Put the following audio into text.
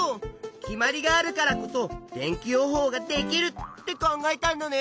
決まりがあるからこそ天気予報ができるって考えたんだね。